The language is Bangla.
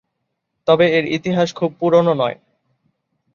তবে এর ইতিহাস খুব পুরনো নয়।